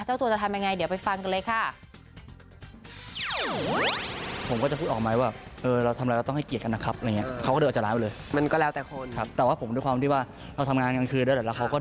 เจ้าตัวจะทำยังไงเดี๋ยวไปฟังกันเลยค่ะ